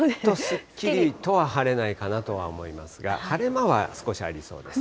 すっきりとは晴れないかなとは思いますが、晴れ間は少しありそうです。